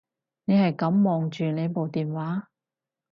你係噉望住你部電話